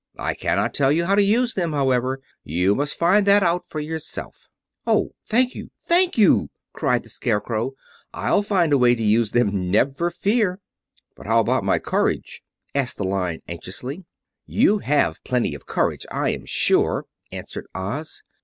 I cannot tell you how to use them, however; you must find that out for yourself." "Oh, thank you—thank you!" cried the Scarecrow. "I'll find a way to use them, never fear!" "But how about my courage?" asked the Lion anxiously. "You have plenty of courage, I am sure," answered Oz.